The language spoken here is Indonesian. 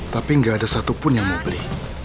tapi nggak ada satupun yang mau beli